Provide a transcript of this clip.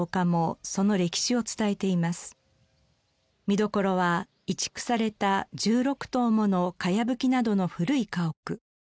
見どころは移築された１６棟もの茅葺きなどの古い家屋。